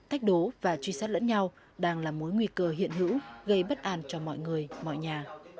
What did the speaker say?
thách đố và truy sát lẫn nhau đang là mối nguy cơ hiện hữu gây bất an cho mọi người mọi nhà